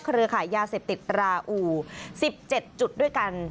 เครือขายยาเสพติดราอู๑๗จุดด้วยกัน